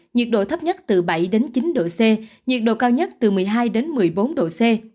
nhiệt độ thấp nhất từ bảy đến chín độ c nhiệt độ cao nhất từ một mươi hai đến một mươi bốn độ c